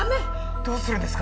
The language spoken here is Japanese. どうするんですか？